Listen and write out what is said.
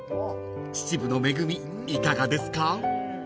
［秩父の恵みいかがですか？］